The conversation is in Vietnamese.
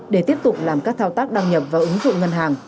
để tiếp tục làm các thao tác đăng nhập vào ứng dụng ngân hàng